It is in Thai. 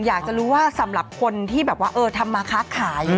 อยากจะรู้ว่าสำหรับคนที่แบบว่าทำมาค้าขาย